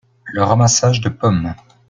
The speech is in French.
Le ramassage de pommes.